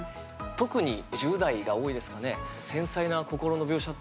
特に１０代が多いですかね。